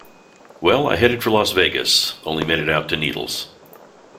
Well, I headed for Las Vegas, only made it out to Needles.